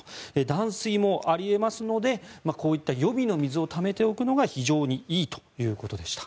断水もあり得ますのでこういった予備の水をためておくのが非常にいいということでした。